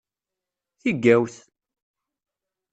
Tigawt!